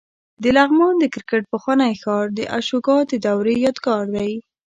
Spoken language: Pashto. د لغمان د کرکټ پخوانی ښار د اشوکا د دورې یادګار دی